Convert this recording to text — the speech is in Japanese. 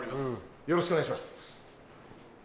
よろしくお願いします。